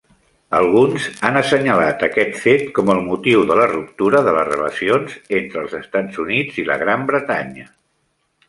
Alguns han assenyalat aquest fet com el motiu de la ruptura de les relacions entre els Estats units i la Gran Bretanya.